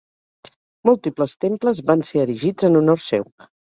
Múltiples temples van ser erigits en honor seu.